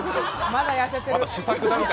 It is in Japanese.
まだやせてる。